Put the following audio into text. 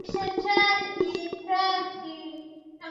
Siku ya Uhuru wa Vyombo vya Habari Duniani